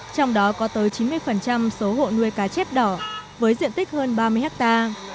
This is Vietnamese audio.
trong đó có tới chín mươi số hộ nuôi cá chép đỏ với diện tích hơn ba mươi hectare